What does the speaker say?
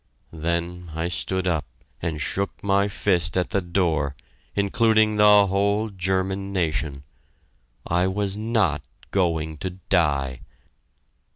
Then I stood up and shook my fist at the door, including the whole German nation! I was not going to die!